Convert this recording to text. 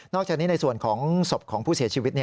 จากนี้ในส่วนของศพของผู้เสียชีวิต